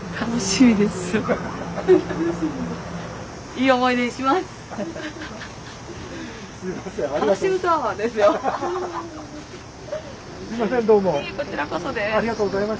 いえこちらこそです。